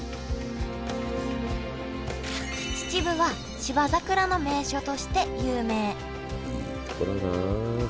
秩父は芝桜の名所として有名いい所だなあ。